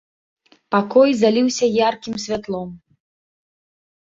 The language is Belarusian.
Пакой заліўся яркім святлом.